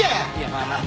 まあまあ